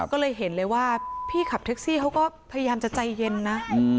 ก็เลยเห็นเลยว่าพี่ขับแท็กซี่เขาก็พยายามจะใจเย็นนะ